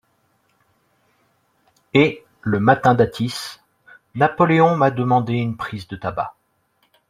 Et, le matin d'Athis, Napoleon m'a demande une prise de tabac.